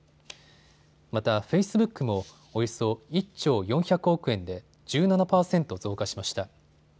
またフェイスブックもおよそ１兆４００億円で１７％増加しました。